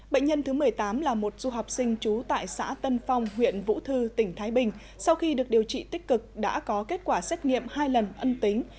bệnh nhân thứ một mươi tám là một du học sinh trú tại xã tân phong huyện vũ thư tỉnh thái bình sau khi được điều trị tích cực đã có kết quả xét nghiệm hai lần ân tính